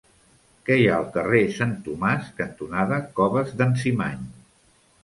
Què hi ha al carrer Sant Tomàs cantonada Coves d'en Cimany?